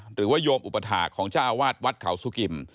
หรือว่าโยมอุปถาของเจ้าอาวาสวัดเขาสุกิม